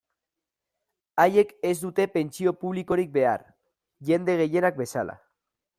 Haiek ez dute pentsio publikorik behar, jende gehienak bezala.